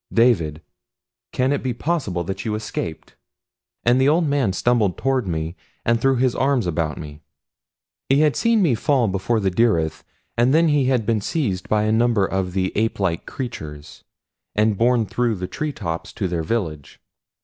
"David! Can it be possible that you escaped?" And the old man stumbled toward me and threw his arms about me. He had seen me fall before the dyryth, and then he had been seized by a number of the ape creatures and borne through the tree tops to their village.